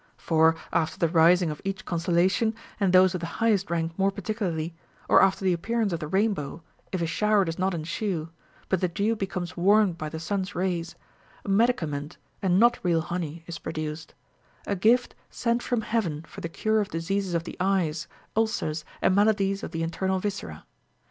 For, after the rising of each constel lation, and those of the highest rank more particularly, ot after the appearance of the rainbow, if a shower does not ensue, but the dew becomes warmed by the sun's rays, a medicament, and not real honey, is produced ; a gift sent from heaven for the cure of diseases of the eyes, ulcers, and maladies of the internal viscera.